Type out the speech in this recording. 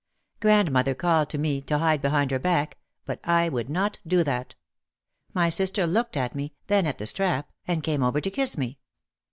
Grandmother called to me to hide behind her back, but I would not do that. My sister looked at me, then at the strap, and came over to kiss me.